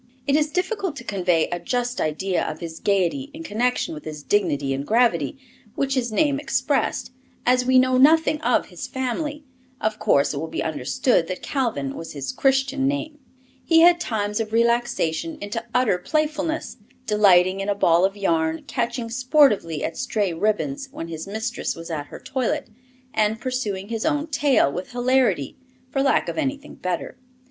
It is difficult to convey a just idea of his gaiety in connection with his dignity and gravity, which his name expressed. As we know nothing of his family, of course it will be understood that Calvin was his Christian name. He had times of relaxation into utter playfulness, delighting in a ball of yarn, catching sportively at stray ribbons when his mistress was at her toilet, and pursuing his own tail, with hilarity, for lack of anything better.